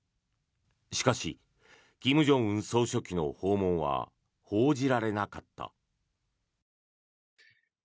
しかし、金正恩総書記の訪問は報じられなかった。